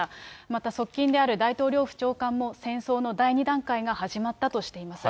また側近である大統領府長官も戦争の第２段階が始まったとしています。